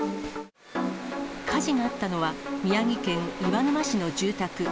火事があったのは、宮城県岩沼市の住宅。